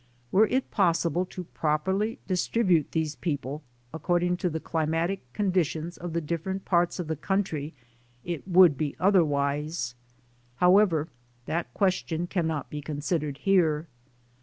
Were it possible to properly distribute these people according to the climatic conditions of the different parts of the country it would be otherwise; however, that question cannot be considered here.